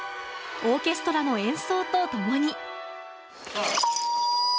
オーケストラの演奏と共に。